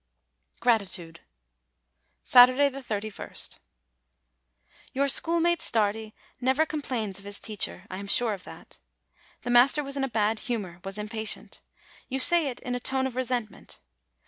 GRATITUDE Saturday, 3ist. Your schoolmate Stardi never complains of his teacher; I am sure of that. ;< The master was in a bad humor, was impatient," you say it in a tone of resentment.